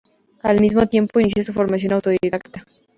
Al mismo tiempo, inicia su formación autodidacta.